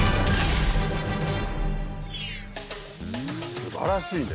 すばらしいね。